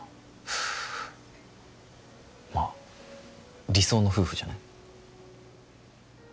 まあ理想の夫婦じゃない？